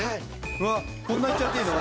うわっこんないっちゃっていいの？